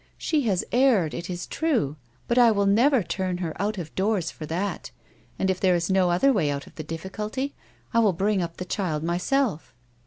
She has erred, it is true, but I will never turn her out of doors for that, and, if there is no other way out of the difficulty, I will bring up the child myself."